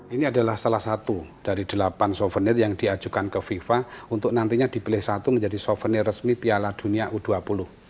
ini adalah salah satu dari delapan souvenir yang diajukan ke fifa untuk nantinya dipilih satu menjadi souvenir resmi piala dunia u dua puluh